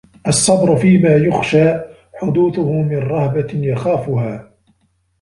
الصَّبْرُ فِيمَا يُخْشَى حُدُوثُهُ مِنْ رَهْبَةٍ يَخَافُهَا